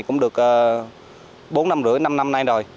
không được bốn năm rưỡi năm năm nay rồi